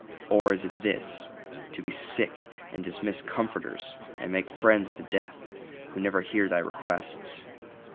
Or is it this: To be sick and dismiss comforters, and make friends of the deaf, who never hear thy requests?